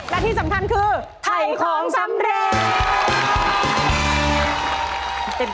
และที่สำคัญคือถ่ายของสำเร็จ